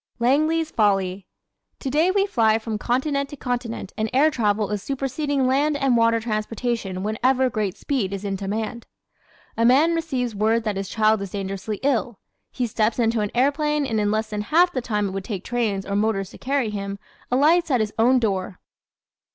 "Langley's Folly" ¶ Today we fly from continent to continent and air travel is superseding land and water transportation whenever great speed is in demand. A man receives word that his child is dangerously ill; he steps into an airplane and in less than half the time it would take trains or motors to carry him, alights at his own door.